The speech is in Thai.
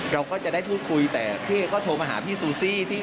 เราก็จะได้พูดคุยแต่พี่เอก็โทรมาหาพี่ซูซี่